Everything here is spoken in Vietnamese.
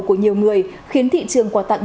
của nhiều người khiến thị trường quà tặng